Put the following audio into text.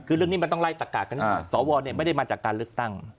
คือเรื่องนี้มันต้องไล่ตะกากกันว่าสวไม่ได้มาจากการเลือกตั้ง